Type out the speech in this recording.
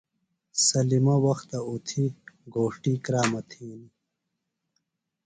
سلمہ وختہ اُتھیۡ گھوݜتی کرام تھینیۡ ۔